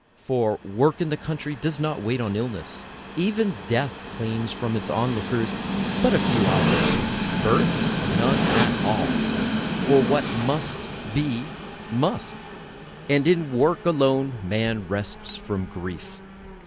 For work in the country does not wait on illness —even death claims from its onlookers but a few hours, birth none at all, and it is as well; for what must be must, and in work alone man rests from grief.